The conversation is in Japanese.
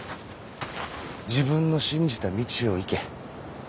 自分の信じた道を行け。